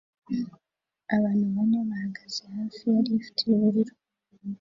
Abantu bane bahagaze hafi ya lift yubururu